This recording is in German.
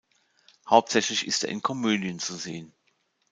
Hauptsächlich ist er in Komödien zu sehen.